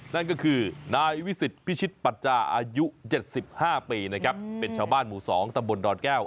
นั่นก็คือนายวิสิตพิชิตปัจจาอายุ๗๕ปีนะครับเป็นชาวบ้านหมู่๒ตำบลดอนแก้ว